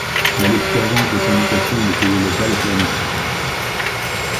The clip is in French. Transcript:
Mais l'expérience de syndication des télés locales tourne court.